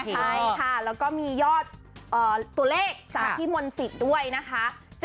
ใช่ค่ะแล้วก็มียอดตัวเลขจากพี่มนต์สิทธิ์ด้วยนะคะ